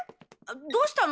どうしたの？